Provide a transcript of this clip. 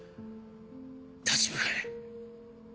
立ち向かえ。